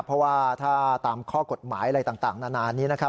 เพราะว่าถ้าตามข้อกฎหมายอะไรต่างนานานี้นะครับ